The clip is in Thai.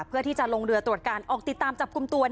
เพื่อที่จะลงเรือตรวจการออกติดตามจับกลุ่มตัว